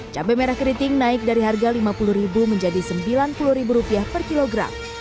cabai merah keriting naik dari harga rp lima puluh menjadi rp sembilan puluh per kilogram